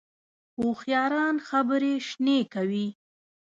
هوښیاران خبرې شنې کوي